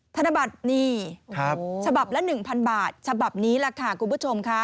ธนบัตรนี่ฉบับละ๑๐๐บาทฉบับนี้แหละค่ะคุณผู้ชมค่ะ